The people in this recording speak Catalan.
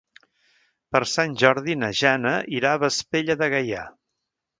Per Sant Jordi na Jana irà a Vespella de Gaià.